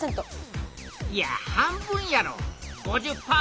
いや半分やろ。